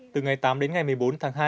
từ ngày tám đến ngày một mươi bốn tháng hai